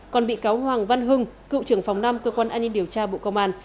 còn bị cáo hoàng văn hưng cựu trưởng phòng năm cơ quan an ninh điều tra bộ công an